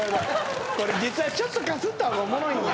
「これ実はちょっとかすった方がおもろいんや」